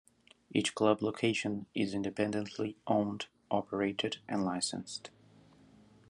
Each club location is independently owned, operated and licensed.